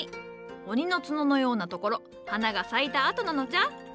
鬼の角のようなところ花が咲いた跡なのじゃ。